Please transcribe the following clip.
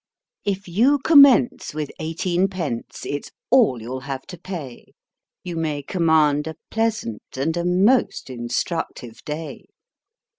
If you commence with eighteenpenoe â it's all you'll have to pay; You may command a pleasant and a most instructive day.